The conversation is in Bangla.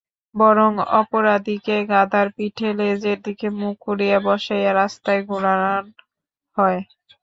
বরং অপরাধিনীকে গাধার পিঠে লেজের দিকে মুখ করিয়া বসাইয়া রাস্তায় ঘুরান হয়।